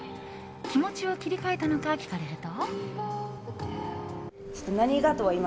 気持ちを切り替えたのか聞かれると。